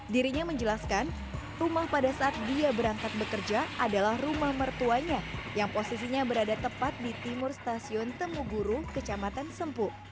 dirinya menjelaskan rumah pada saat dia berangkat bekerja adalah rumah mertuanya yang posisinya berada tepat di timur stasiun temuguru kecamatan sempu